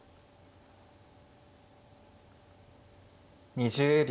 ２０秒。